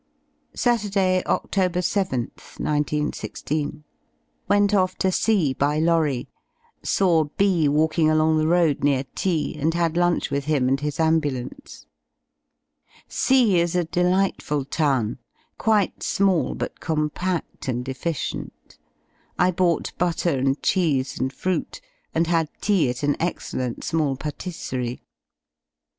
Saturday y Oct. 7th, 191 6. Went off to C by lorry. Saw B walking along the road near T , and had lunch with him and his ambulance. C is a delightful town, quite small, but compa(5l and efficient. I bought butter and cheese and fruit, and had tea at an excellent small patisserie.